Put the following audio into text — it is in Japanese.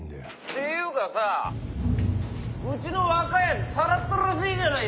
ていうかさうちの若いやつさらったらしいじゃないですか。